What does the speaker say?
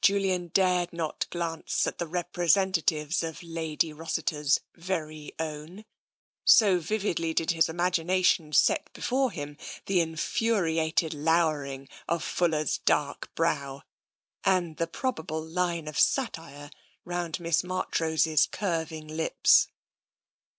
Julian dared not glance at the representatives of Lady Rossiter's very own, so vividly did his imagina tion s^t before him the infuriated lowering of Fuller's dark brow, and the probable line of satire round Miss Marchrose's curving lips.